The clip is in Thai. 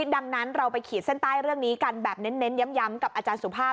ดังนั้นเราไปขีดเส้นใต้เรื่องนี้กันแบบเน้นย้ำกับอาจารย์สุภาพ